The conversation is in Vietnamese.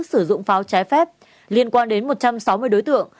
sử dụng pháo trái phép liên quan đến một trăm sáu mươi đối tượng